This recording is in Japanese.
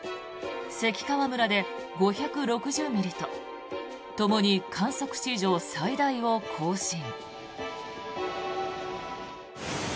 関川村で５６０ミリとともに観測史上最大を更新。